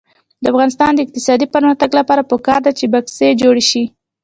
د افغانستان د اقتصادي پرمختګ لپاره پکار ده چې بکسې جوړې شي.